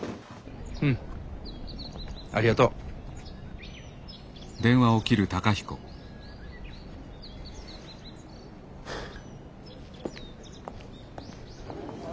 うんありがとう。はあ。